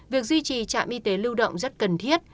việc duy trì trạm y tế lưu động rất cần thiết